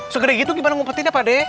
segede gitu gimana ngumpetinnya pak d